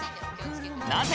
なぜ？